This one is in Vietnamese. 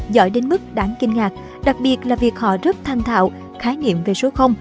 giỏi đến mức đáng kinh ngạc đặc biệt là việc họ rất thanh thạo khái niệm về số